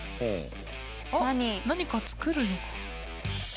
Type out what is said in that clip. あっ何か作るのか。